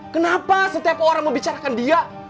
kenapa setiap orang membicarakan dia